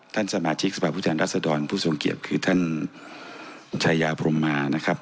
ท่านสมาชิกสภาพผู้แทนรัศดรผู้ทรงเกียจคือท่านชายาพรมมานะครับ